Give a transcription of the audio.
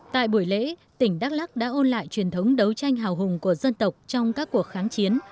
tại buổi lễ tỉnh đắk lắc đã ôn lại truyền thống đấu tranh hào hùng của dân tộc trong các cuộc kháng chiến